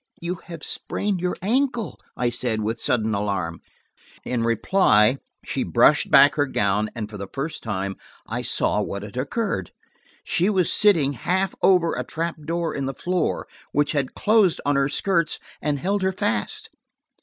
"You have sprained your ankle," I said, with sudden alarm. In reply she brushed aside her gown, and for the first time I saw what had occurred. She was sitting half over a trap door in the floor, which had closed on her skirts and held her fast.